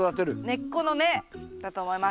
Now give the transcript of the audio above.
根っこの根だと思います。